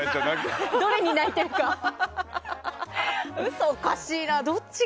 どれに泣いてるかが。